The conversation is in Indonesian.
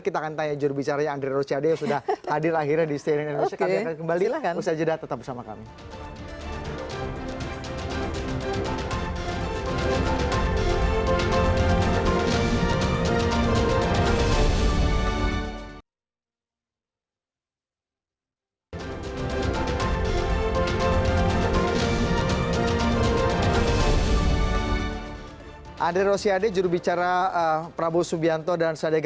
kita akan tanya nanti jurubicara